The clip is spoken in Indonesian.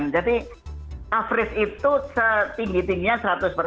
jadi coverage itu setinggi tingginya seratus